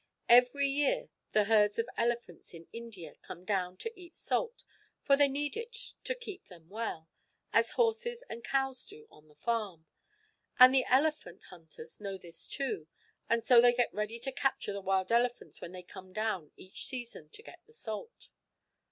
Every year the herds of elephants in India come down to eat salt, for they need it to keep them well, as horses and cows do on the farm. And the elephant hunters know this too, and so they get ready to capture the wild elephants when they come down each season to get the salt.